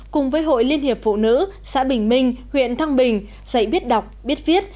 cùng với hội liên hiệp phụ nữ xã bình minh huyện thăng bình dạy biết đọc biết viết